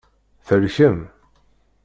Thelkem?